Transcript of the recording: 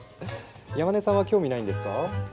山根さんは興味ないんですか？